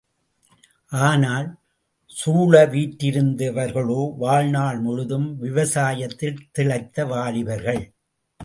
ஆனால் சூழ வீற்றிருந்தவர்களோ வாழ்நாள் முழுதும் விவசாயத்தில் திளைத்த வாலிபர்கள்.